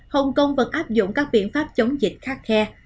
hồng kông vẫn áp dụng các biện pháp chống dịch khắc khe